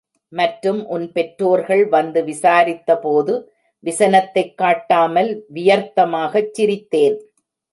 மற்றும் உன் பெற்றோர்கள் வந்து விசாரித்த போது விசனத்தைக் காட்டாமல் வியர்த்தமாகச் சிரித்தேன்.